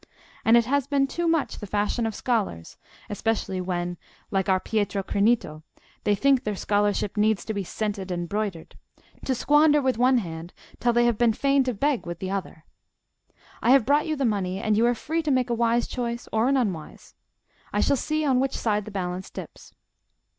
And it has been too much the fashion of scholars, especially when, like our Pietro Crinito, they think their scholarship needs to be scented and broidered, to squander with one hand till they have been fain to beg with the other. I have brought you the money, and you are free to make a wise choice or an unwise: I shall see on which side the balance dips.